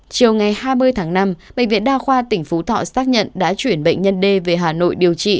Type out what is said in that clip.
chiều ngày hai mươi tháng năm bệnh viện đa khoa tỉnh phú thọ xác nhận đã chuyển bệnh nhân d về hà nội điều trị